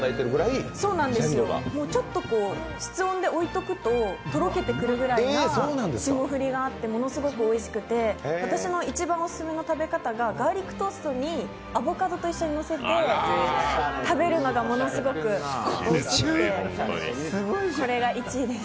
ちょっと室温で置いてくととろけてくるような霜降りがあってものすごくおいしくて、私の一番オススメの食べ方が、ガーリックトーストにアボカドと一緒にのせて食べるのがおいしくて好きです。